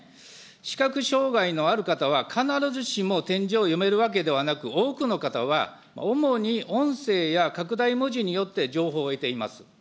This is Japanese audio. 視覚障害のある方は必ずしも点字を読めるわけではなく、多くの方は主に音声や拡大文字によって情報を得ています。